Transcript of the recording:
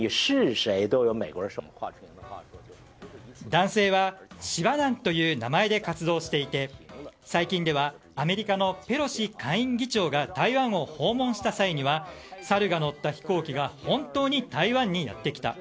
男性は司馬南という名前で活動していて最近ではアメリカのペロシ下院議長が台湾を訪問した際にはサルが乗った飛行機が本当に台湾にやってきた。